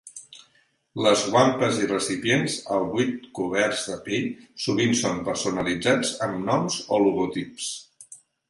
Les guampas i recipients al buit coberts de pell, sovint són personalitzats amb noms o logotips.